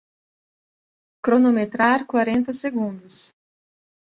Cronometrar quarenta segundos